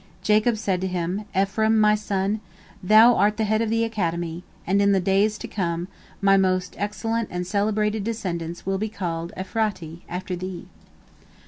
Jacob said to him, "Ephraim, my son, thou art the head of the Academy, and in the days to come my most excellent and celebrated descendants will be called Ephrati after thee."